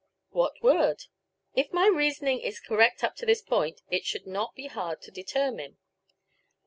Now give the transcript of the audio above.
What word? If my reasoning is correct up to this point, it should not be hard to determine.